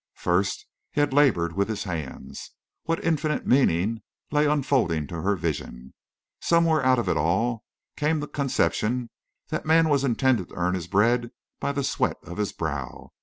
First he had labored with his hands. What infinite meaning lay unfolding to her vision! Somewhere out of it all came the conception that man was intended to earn his bread by the sweat of his brow.